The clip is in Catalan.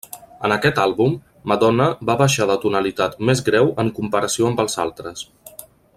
En aquest àlbum, Madonna va baixar de tonalitat més greu en comparació amb els altres.